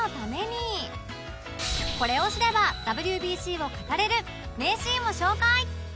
これを知れば ＷＢＣ を語れる名シーンを紹介！